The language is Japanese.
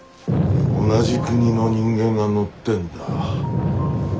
同じ国の人間が乗ってんだ。